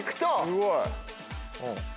すごい。